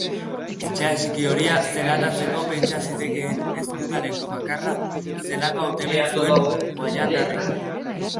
Etxe atxiki horia zelatatzeko pentsa zitekeen ezkutaleku bakarra zelako hauteman zuen Wallanderrek.